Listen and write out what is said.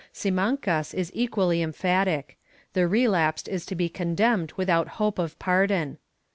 ^ Simancas is equally emphatic — the relapsed is to be condemned without hope of pardon.